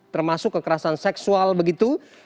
termasuk kekerasan seksual begitu